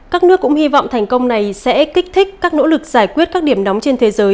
các nước cũng hy vọng thành công này sẽ kích thích các nỗ lực giải quyết các điểm này